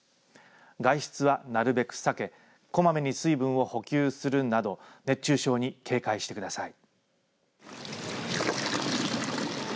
外出は、なるべく避けこまめに水分を補給するなど熱中症に警戒してください。